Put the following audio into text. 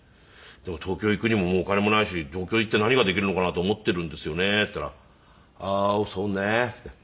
「でも東京行くにももうお金もないし東京行って何ができるのかなと思っているんですよね」って言ったら「ああーそうね」って言って。